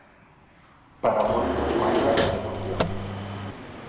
Para moitos manda a devoción.